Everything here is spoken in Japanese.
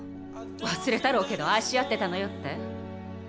「忘れたろうけど愛し合ってたのよ」って？